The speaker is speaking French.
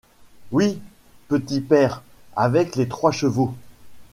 Oui, petit père, avec les trois chevaux!